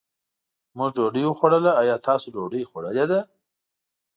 مونږ ډوډۍ وخوړله، ايا تاسو ډوډۍ خوړلې ده؟